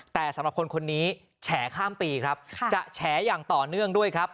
แต่สำหรับคนคนนี้แฉข้ามปีครับจะแฉอย่างต่อเนื่องด้วยครับ